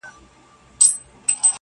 لوى قاضي به گيند را خوشي پر ميدان كړ!.